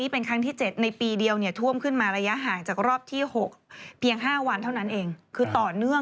อีกคือต่อเนื่องกันมาแล้วท่วมอยู่เรื่อย